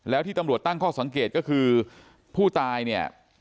แล้วที่ตำรวจตั้งข้อสังเกตก็คือผู้ตายเนี่ย